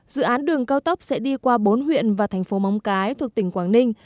dự án đường cao tốc sẽ đi qua bốn huyện và thành phố móng cái thuộc tỉnh quảng ninh